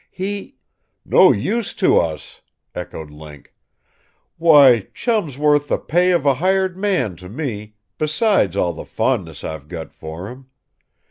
He " "No use to us?" echoed Link. "Why, Chum's worth the pay of a hired man to me, besides all the fondness I've got for him!